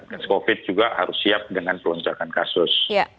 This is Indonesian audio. gas covid juga harus siap dengan peluncakan kasus